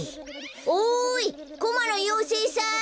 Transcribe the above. おいコマのようせいさん！